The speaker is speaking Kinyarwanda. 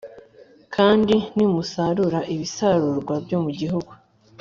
Kandi nimusarura ibisarurwa byo mu gihugu